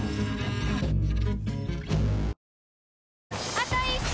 あと１周！